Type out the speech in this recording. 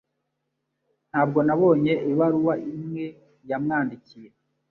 Ntabwo nabonye ibaruwa imwe yamwandikiye